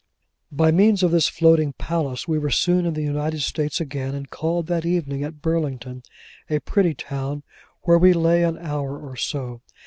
By means of this floating palace we were soon in the United States again, and called that evening at Burlington; a pretty town, where we lay an hour or so.